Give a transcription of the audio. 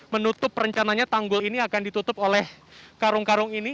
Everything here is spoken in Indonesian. menutup rencananya tanggul ini akan ditutup oleh karung karung ini